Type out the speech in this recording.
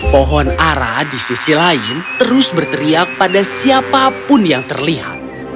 pohon ara di sisi lain terus berteriak pada siapapun yang terlihat